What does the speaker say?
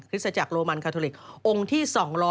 สตจักรโรมันคาทอลิกองค์ที่๒๐๐